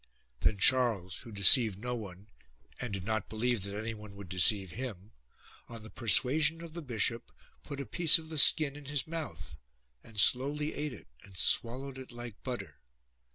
Then Charles, who deceived no one, and did not believe that anyone would deceive him, on the persuasion of the bishop put a piece of the skin in his mouth, and slowly ate it and swallowed it like butter.